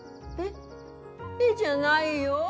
「え？」じゃないよ。